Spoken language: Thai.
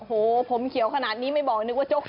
โหผมเขียวขนาดนี้ไม่บอกนึกว่าโจ๊ก